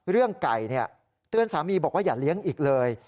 เรื่องไก่เตือนสามีบอกว่าอย่าเลี้ยงอีกเลย